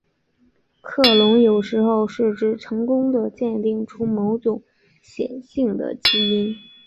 克隆有时候是指成功地鉴定出某种显性的基因。